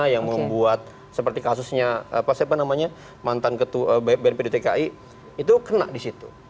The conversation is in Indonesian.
yang membuat seperti kasusnya pak saipan namanya mantan bnp dtki itu kena di situ